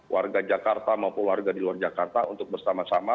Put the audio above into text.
warga jakarta maupun warga di luar jakarta untuk bersama sama